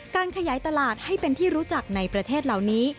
การขยายตลาดให้เป็นที่รู้จักในประเทศเหล่านี้